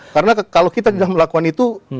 karena kalau kita tidak melakukan itu